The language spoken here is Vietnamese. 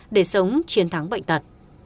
để sống chiến thắng bệnh tật